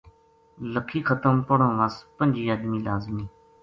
لَکھی ختم پڑھن وس پنجی ادمی لازمی